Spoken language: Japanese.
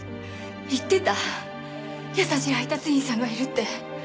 言ってた優しい配達員さんがいるって。